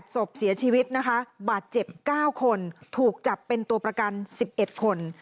ศพเสียชีวิตนะคะบาดเจ็บ๙คนถูกจับเป็นตัวประกัน๑๑คน